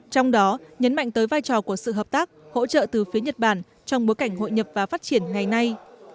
trong đó nhấn mạnh tới vai trò của sự hợp tác hỗ trợ từ phía nhật bản trong bối cảnh hội nhập và phát triển ngày nay